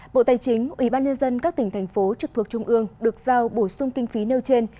bộ tài chính ủy ban nhân dân các tỉnh thành phố trực thuộc trung ương được giao bổ sung kinh phí nêu trên